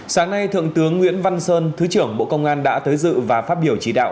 sáng nay thượng tướng nguyễn văn sơn thứ trưởng bộ công an đã tới dự và phát biểu chỉ đạo